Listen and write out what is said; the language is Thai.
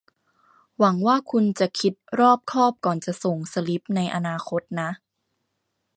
หวังว่าคุณจะคิดรอบคอบก่อนจะส่งสลิปในอนาคตนะ